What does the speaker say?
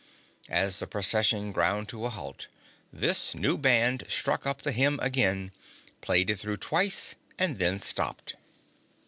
As the Procession ground to a halt, this new band struck up the Hymn again, played it through twice, and then stopped.